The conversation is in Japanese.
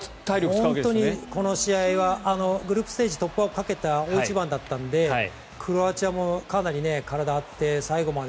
本当にこの試合はグループステージ突破をかけた大一番だったのでクロアチアもかなり体を張って、最後まで。